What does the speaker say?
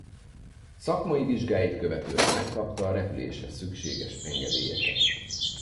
Szakmai vizsgáit követően megkapta a repüléshez szükséges engedélyeket.